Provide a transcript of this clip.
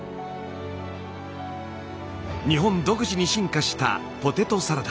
日本独自に進化したポテトサラダ。